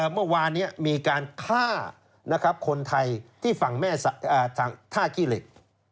เมื่อวานนี้มีการฆ่าคนไทยที่ฝั่งแม่ท่าขี้เหล็ก